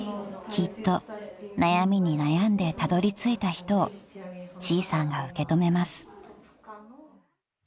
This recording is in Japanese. ［きっと悩みに悩んでたどりついた人をちーさんが受け止めます］